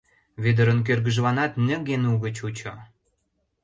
Вӧдырын кӧргыжланат ньыге-ньуго чучо.